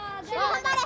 頑張れ！